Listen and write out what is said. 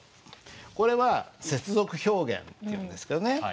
これは接続表現っていうんですけどね